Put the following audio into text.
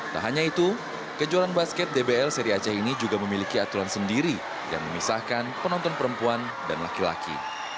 tak hanya itu kejuaraan basket dbl seri aceh ini juga memiliki aturan sendiri yang memisahkan penonton perempuan dan laki laki